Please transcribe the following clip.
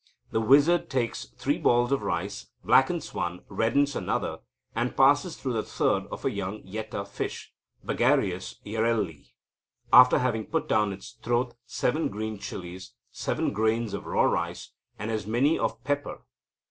The wizard takes three balls of rice, blackens one, reddens another, and passes through the third a young yetah fish (Bagarius yarrellii), after having put down its throat seven green chillies, seven grains of raw rice, and as many of pepper.